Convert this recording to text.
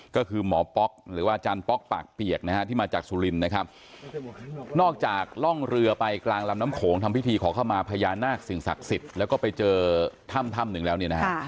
ก็คือหมอป๊อกหรือว่าอาจารย์ป๊อกปากเปียกนะฮะที่มาจากสุรินนะครับนอกจากล่องเรือไปกลางลำน้ำโขงทำพิธีขอเข้ามาพญานาคสิ่งศักดิ์สิทธิ์แล้วก็ไปเจอถ้ำถ้ำหนึ่งแล้วเนี่ยนะฮะ